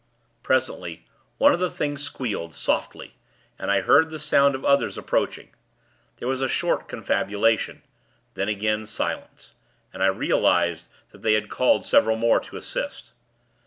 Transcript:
Presently, one of the Things squealed, softly, and I heard the sound of others approaching. There was a short confabulation; then again, silence; and I realized that they had called several more to assist.